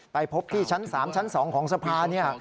ไปพบที่ชั้น๓ชั้น๒ของสภาเนี่ย